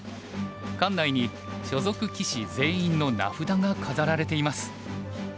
館内に所属棋士全員の名札が飾られています。